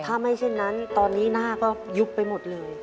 ถ้าไม่เช่นนั้นตอนนี้หน้าก็ยุบไปหมดเลย